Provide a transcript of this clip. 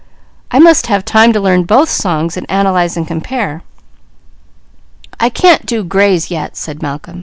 I must have time to learn both songs, and analyze and compare." "I can't do gray's yet," said Malcolm.